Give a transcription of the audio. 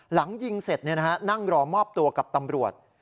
หลังยิงเสร็จนั่งรอมอบตัวกับตำรวจ